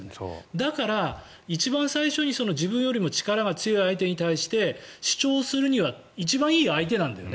だから、一番最初に自分よりも力が強い相手に対して主張するには一番いい相手なんだよね。